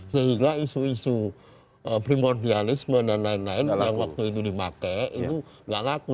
sehingga isu isu primordialisme dan lain lain yang waktu itu dipakai itu nggak laku